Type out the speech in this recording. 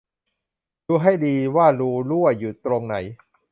ดูให้ดีว่ารูรั่วอยู่ตรงไหน